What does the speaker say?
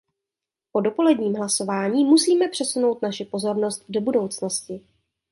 Po dopoledním hlasování musíme přesunout naši pozornost do budoucnosti.